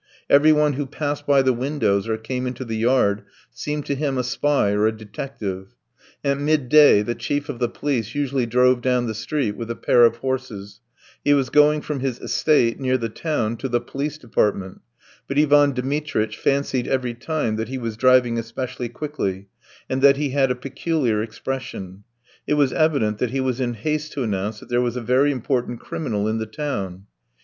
Everyone who passed by the windows or came into the yard seemed to him a spy or a detective. At midday the chief of the police usually drove down the street with a pair of horses; he was going from his estate near the town to the police department; but Ivan Dmitritch fancied every time that he was driving especially quickly, and that he had a peculiar expression: it was evident that he was in haste to announce that there was a very important criminal in the town.